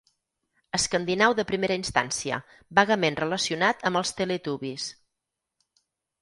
Escandinau de primera instància, vagament relacionat amb els Teletubbies.